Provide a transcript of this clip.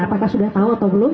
apakah sudah tahu atau belum